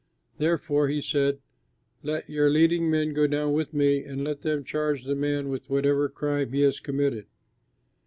"Therefore," he said, "let your leading men go down with me and let them charge the man with whatever crime he has committed."